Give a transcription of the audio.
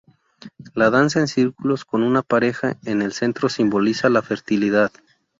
La danza en círculos con una pareja en el centro simboliza la fertilidad.